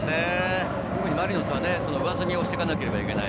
マリノスは上積みしていかなければいけない。